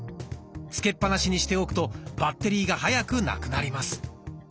つけっ放しにしておくとバッテリーが早くなくなります。